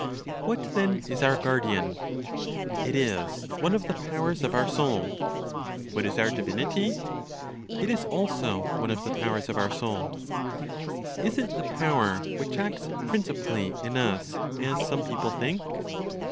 What then is our guardian? It is one of the powers of our soul. What is our divinity? It is also one of the powers of our soul. (Is it the power which acts principally in us as some people think?)